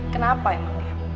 kenapa emang ya